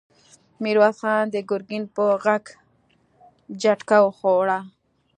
ميرويس خان د ګرګين په غږ جټکه وخوړه!